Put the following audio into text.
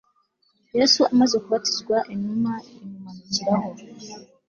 yesu amaze kubatizwa inuma imumanukiraho